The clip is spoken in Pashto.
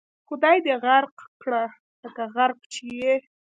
خدای دې غرق کړه لکه غرق چې یې.